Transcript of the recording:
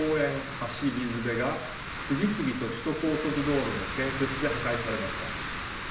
橋水辺が次々と首都高速道路の建設で破壊されました。